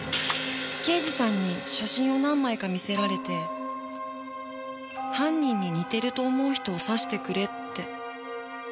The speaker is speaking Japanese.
刑事さんに写真を何枚か見せられて犯人に似てると思う人を指してくれって。